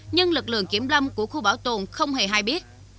nhưng lực lượng kiểm lâm của khu bảo tồn không hề hay biết